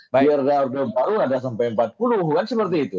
di era rd malu ada sampai empat puluh bukan seperti itu